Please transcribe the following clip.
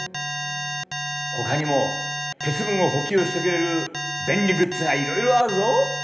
ほかにも鉄分を補給してくれる便利グッズがいろいろあるぞ。